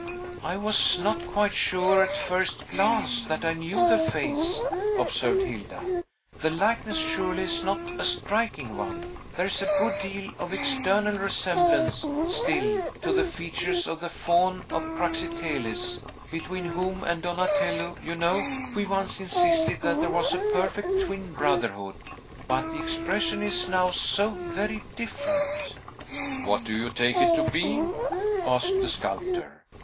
"I was not quite sure, at first glance, that I knew the face," observed Hilda; "the likeness surely is not a striking one. There is a good deal of external resemblance, still, to the features of the Faun of Praxiteles, between whom and Donatello, you know, we once insisted that there was a perfect twin brotherhood. But the expression is now so very different!" "What do you take it to be?" asked the sculptor.